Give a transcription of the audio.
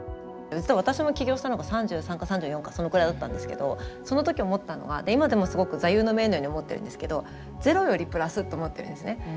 実は私も起業したのが３３か３４かそのくらいだったんですけどその時思ったのは今でもすごく座右の銘のように思ってるんですけどゼロよりプラスと思ってるんですね。